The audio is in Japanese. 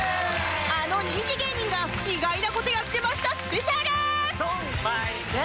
あの人気芸人が意外な事やってましたスペシャル